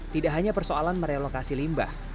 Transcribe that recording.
tidak hanya persoalan merelokasi limbah